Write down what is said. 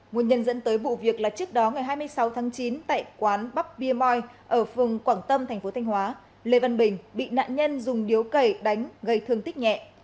nguồn nhân dẫn tới vụ việc là trước đó ngày hai mươi sáu tháng chín tại quán bắp bia moi ở phường quảng tâm thành phố thanh hóa lê văn bình bị nạn nhân dùng điếu cẩy đánh gây thương tích nhẹ